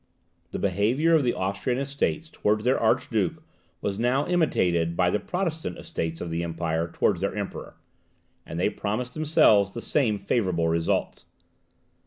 This behaviour of the Austrian Estates towards their Archduke was now imitated by the Protestant Estates of the Empire towards their Emperor, and they promised themselves the same favourable results.